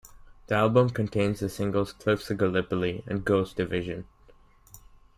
The album contains the singles "Cliffs of Gallipoli" and "Ghost Division".